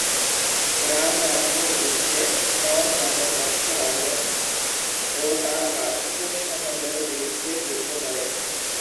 রাম-রাবণের যুদ্ধে নল রামের পক্ষে রাবণ ও তার রাক্ষস সৈন্যদলের বিরুদ্ধে যুদ্ধ করেন।